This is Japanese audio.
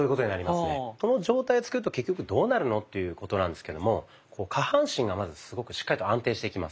その状態を作ると結局どうなるのっていうことなんですけども下半身がまずすごくしっかりと安定してきます。